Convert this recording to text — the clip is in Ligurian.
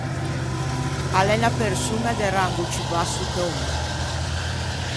A l’é unna persoña de rango ciù basso che o mæ.